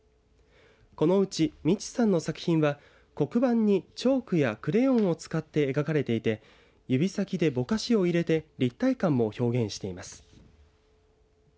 このうちＭｉｃｈｉさんの作品は黒板にチョークやクレヨンを使って描かれていて指先でぼかしを入れて立体感も表現しています。